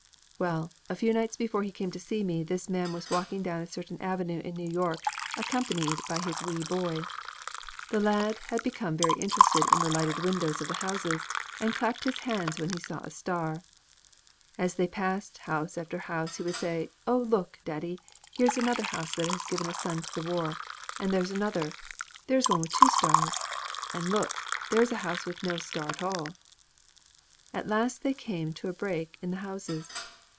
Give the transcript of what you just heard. Well, a few nights before he came to see me, this man was walking down a certain avenue in New York accompanied by his wee boy. The lad became very interested in the lighted windows of the houses, and clapped his hands when he saw the star. As they passed house after house, he would say, "Oh, look, Daddy, there's another house that has given a son to the war! And there's another! There's one with two stars! And look! there's a house with no star at all!" At last they came to a break in the houses.